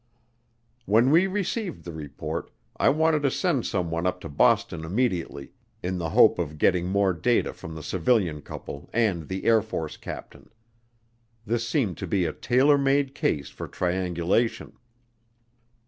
When we received the report, I wanted to send someone up to Boston immediately in the hope of getting more data from the civilian couple and the Air Force captain; this seemed to be a tailor made case for triangulation.